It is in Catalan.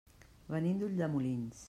Venim d'Ulldemolins.